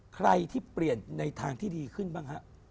ใครที่เปลี่ยนในทางที่ดีขึ้นบ้างฮะ